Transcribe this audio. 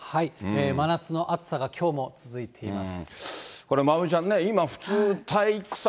真夏の暑さがきょうも続いています。